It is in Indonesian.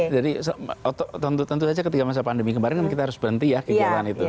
jadi tentu tentu saja ketika masa pandemi kemarin kita harus berhenti ya kegiatan itu